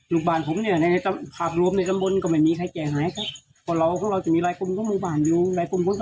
ลูกบ้านผมเนี้ยในในท